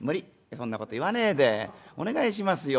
「そんなこと言わねえでお願いしますよ。